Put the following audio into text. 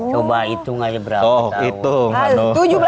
coba hitung aja berapa